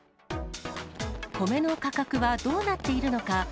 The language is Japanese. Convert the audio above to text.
米の価格はどうなっているのか。